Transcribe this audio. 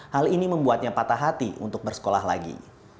hal ini membuatnya patah hati untuk bersekolah lagi